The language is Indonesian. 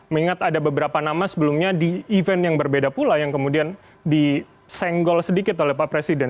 mengingat ada beberapa nama sebelumnya di event yang berbeda pula yang kemudian disenggol sedikit oleh pak presiden